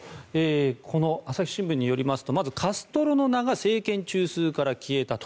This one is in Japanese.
この朝日新聞によりますとまずカストロの名が政権中枢から消えたと。